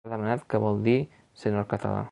Ha demanat què vol dir ser nord-català.